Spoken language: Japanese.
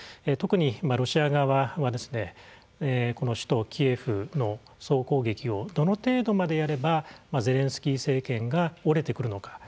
特に、ロシア側はこの首都キエフの総攻撃をどの程度までやればゼレンスキー政権が折れてくるのか。